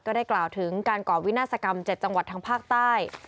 ได้กล่าวถึงการก่อวินาศกรรม๗จังหวัดทางภาคใต้